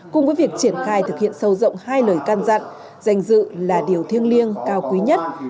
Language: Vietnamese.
cùng với việc triển khai thực hiện sâu rộng hai lời can dặn danh dự là điều thiêng liêng cao quý nhất